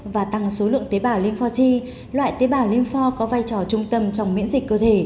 và tăng số lượng tế bào lympho g loại tế bào lympho có vai trò trung tâm trong miễn dịch cơ thể